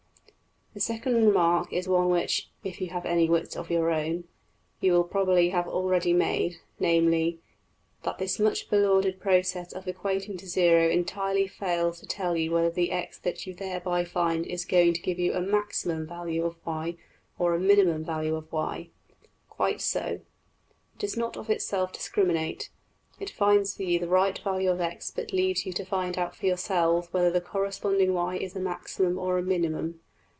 \DPPageSep{110.png}% The second remark is one which (if you have any wits of your own) you will probably have already made: namely, that this much belauded process of equating to zero entirely fails to tell you whether the~$x$ that you thereby find is going to give you a \emph{maximum} value of~$y$ or a \emph{minimum} value of~$y$. Quite so. It does not of itself discriminate; it finds for you the right value of~$x$ but leaves you to find out for yourselves whether the corresponding~$y$ is a maximum or a minimum.